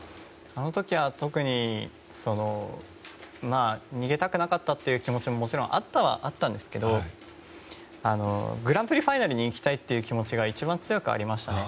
あの時は特に逃げたくなかったという気持ちももちろんあったはあったんですけどグランプリファイナルに行きたいっていう気持ちが一番強くありましたね。